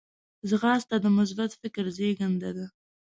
ځغاسته د مثبت فکر زیږنده ده